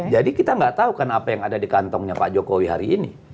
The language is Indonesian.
jadi kita nggak tahu kan apa yang ada di kantongnya pak jokowi hari ini